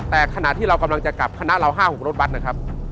แต่ขณะที่เรากำลังจะกลับคณะเรา๕๖รถบัตรนะครับ